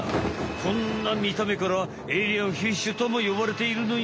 こんなみためからエイリアンフィッシュともよばれているのよ。